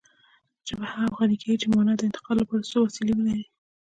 ژبه هغه وخت غني کېږي چې د مانا د انتقال لپاره څو وسیلې ولري